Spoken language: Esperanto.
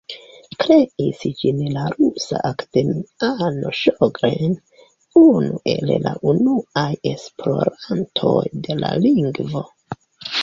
Kreis ĝin la rusa akademiano Ŝogren, unu el la unuaj esplorantoj de la lingvo.